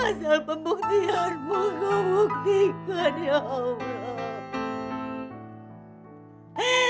asal pembuktianmu kebuktikan ya allah